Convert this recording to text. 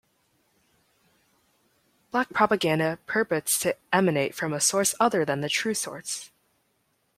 Black propaganda purports to emanate from a source other than the true source.